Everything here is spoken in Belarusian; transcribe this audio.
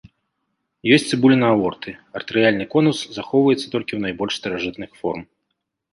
Ёсць цыбуліна аорты, артэрыяльны конус захоўваецца толькі ў найбольш старажытных форм.